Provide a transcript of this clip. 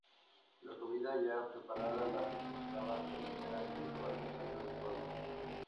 La comida ya preparada la proporcionaban de manera individual vecinos del pueblo.